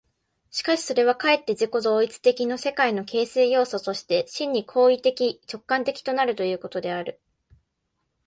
しかしそれはかえって自己同一的世界の形成要素として、真に行為的直観的となるということである。